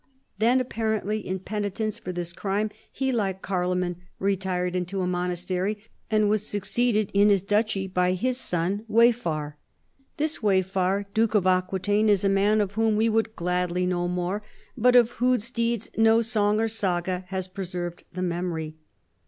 Then, apparently in penitence for this crime, he, like Carloman, retired into a mon lOG CHARLEMAGNE. astery and was succeeded in his duch}'^ by his son Waifar. This Waifar, Duke of Aquitaine, is a man of whom we would gladly know more, but of whose deeds no song or saga has preserved the memory.